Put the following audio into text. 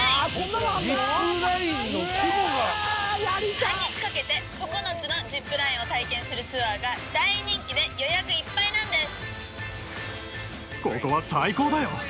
半日かけて９つのジップラインを体験するツアーが大人気で予約いっぱいなんです。